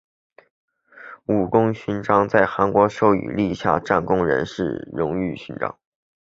武功勋章是韩国授予立下战功人士的荣誉勋章。